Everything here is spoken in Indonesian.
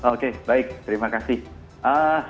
oke baik terima kasih